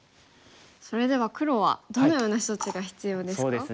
それでは黒はどのような処置が必要ですか？